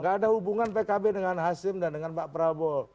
gak ada hubungan pkb dengan hasim dan dengan pak prabowo